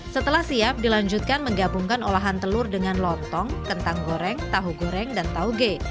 setelah siap dilanjutkan menggabungkan olahan telur dengan lontong kentang goreng tahu goreng dan tauge